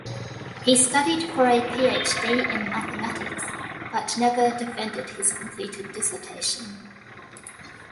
He studied for a PhD in mathematics, but never defended his completed dissertation.